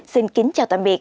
xin kính chào tạm biệt